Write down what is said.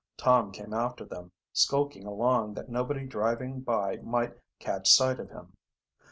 Tom came after them, skulking along that nobody driving by might catch sight of him.